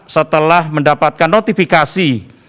setelah mendapatkan notifikasi